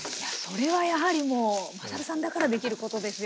それはやはりもうまさるさんだからできることですよね。